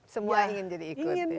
semua ingin jadi ikut